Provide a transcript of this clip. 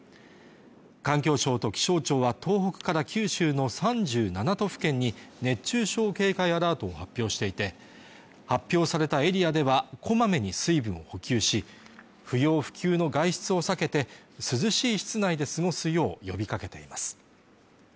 環境省と気象庁は東北から九州の３７都府県に熱中症警戒アラートを発表していて発表されたエリアではこまめに水分を補給し不要不急の外出を避けて涼しい室内で過ごすよう呼びかけています